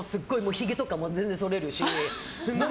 ひげとかも全然剃れるし。